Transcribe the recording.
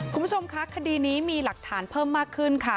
คุณผู้ชมคะคดีนี้มีหลักฐานเพิ่มมากขึ้นค่ะ